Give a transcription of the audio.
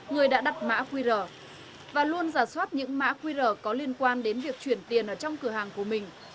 người đã đặt mã qr và luôn giả soát những mã qr có liên quan đến việc chuyển tiền ở trong cửa hàng của mình